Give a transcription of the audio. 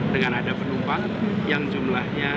dengan ada penumpang yang jumlahnya